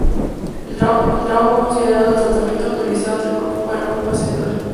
El trabajo fue considerado el ""tratamiento autorizado del grupo para Europa Central"".